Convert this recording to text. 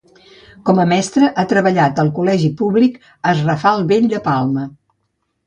Com a mestre ha treballat al Col·legi Públic Es Rafal Vell, de Palma.